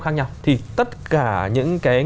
khác nhau thì tất cả những cái